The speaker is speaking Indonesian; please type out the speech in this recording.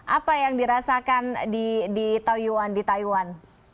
apa yang dirasakan di taiwan di taiwan